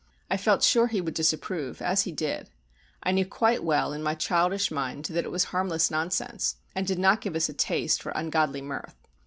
I felt sure he would disapprove, as he did. I knew quite well in my childish mind that it was harmless nonsense, and did not give us a taste for ungodly mirth.